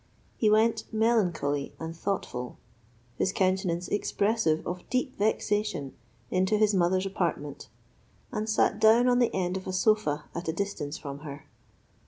He went melancholy and thoughtful, his countenance expressive of deep vexation, into his mother's apartment, and sat down on the end of a sofa at a distance from her.